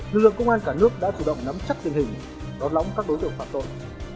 lực lượng công an cả nước đã chủ động nắm chắc tình hình đón lõng các đối tượng phạm tội